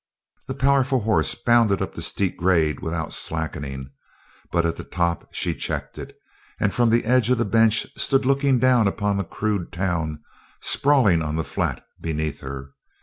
The powerful horse bounded up the steep grade without slackening, but at the top she checked it, and from the edge of the bench stood looking down upon the crude town sprawling on the flat beneath her.